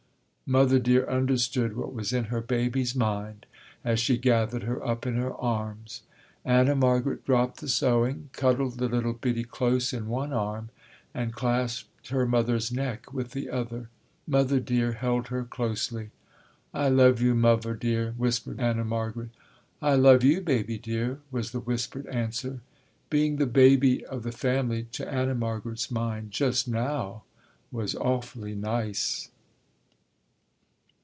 Mother Dear understood what was in her baby's mind as she gathered her up in her arms. Anna Margaret dropped the sewing, cuddled the little biddie close in one arm and clasped her mother's neck with the other. Mother Dear held her closely. "I love yo', Muvver Dear," whispered Anna Margaret. "I love you, baby dear," was the whispered answer. Being the baby of the family to Anna Margaret's mind, just now, was awfully nice.